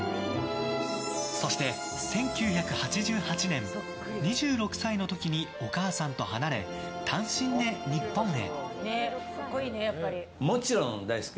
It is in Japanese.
そして１９８８年、２６歳の時にお母さんと離れ、単身で日本へ。